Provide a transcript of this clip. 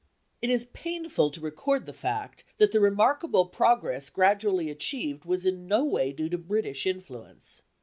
It is painful to record the fact that the remarkable progress gradually achieved was in no way due to British influence.